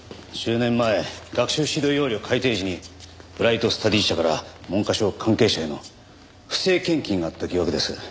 １０年前学習指導要領改訂時にブライトスタディ社から文科省関係者への不正献金があった疑惑です。